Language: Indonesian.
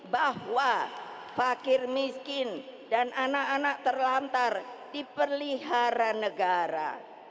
bahwa fakir miskin dan anak anak terlantar diperlihara negara